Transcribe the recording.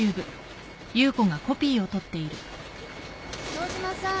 堂島さん。